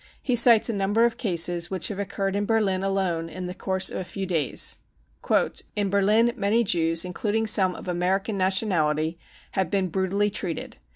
He cites a number of cases which have occurred in Berlin alone in the course of a few days. 44 In Berlin many Jews, including some of American nationality, have been brutally treated.